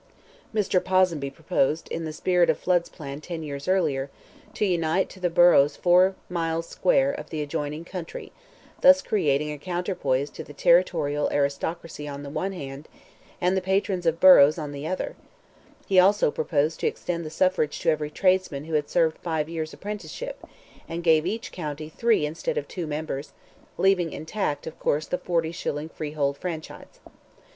Mr. Ponsonby proposed, in the spirit of Flood's plan ten years earlier, to unite to the boroughs four miles square of the adjoining country, thus creating a counterpoise to the territorial aristocracy on the one hand, and the patrons of boroughs on the other; he also proposed to extend the suffrage to every tradesman who had served five years' apprenticeship, and gave each county three instead of two members, leaving intact, of course, the forty shilling freehold franchise.